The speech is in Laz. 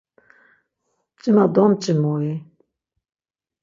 Mç̌ima domç̌imu-i?